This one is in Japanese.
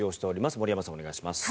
森山さん、お願いします。